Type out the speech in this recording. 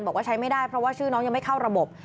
บอกว่าใช้ไม่ได้เพราะว่าชื่อน้องยังไม่เข้าระบบ